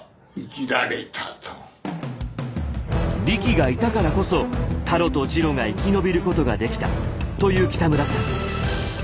リキがいたからこそタロとジロが生き延びることができたと言う北村さん。